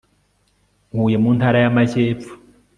huye mu ntara y amajyepfo